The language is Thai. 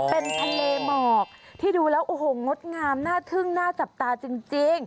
เป็นทะเลหมอกที่ดูแล้วโอ้โหงดงามน่าทึ่งน่าจับตาจริง